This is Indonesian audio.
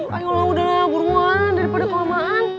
ayolah udah nangis buruan daripada kelamaan